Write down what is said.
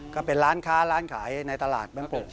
ก็เป็นร้านค้าร้านขายในตลาดบางปลูก